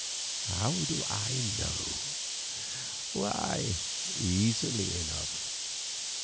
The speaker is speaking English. "How do I know? Why, easily enough.